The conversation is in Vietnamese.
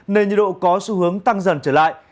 nên nhiệt độ có xu hướng tăng dần trở lại